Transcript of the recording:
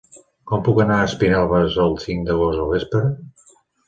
Com puc anar a Espinelves el cinc d'agost al vespre?